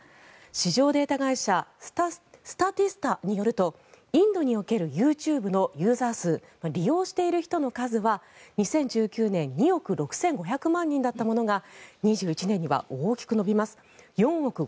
市場データ会社スタティスタによるとインドにおけるＹｏｕＴｕｂｅのユーザー数利用している人の数は２０１９年２億６５００万人だったものが２１年には大きく伸びます。